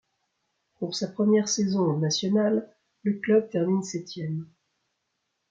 Pour sa première saison en nationales, le club termine septième.